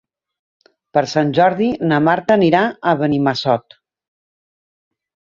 Per Sant Jordi na Marta anirà a Benimassot.